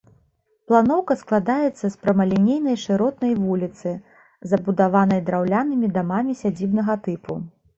Планоўка складаецца з прамалінейнай шыротнай вуліцы, забудаванай драўлянымі дамамі сядзібнага тыпу.